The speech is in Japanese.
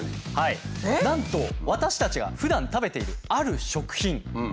なんと私たちがふだん食べているある食品。